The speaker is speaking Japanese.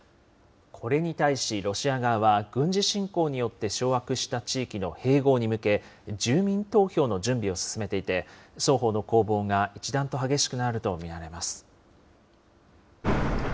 これに対し、ロシア側は軍事侵攻によって掌握した地域の併合に向け、住民投票の準備を進めていて、双方の攻防が一段と激しくなると見られます。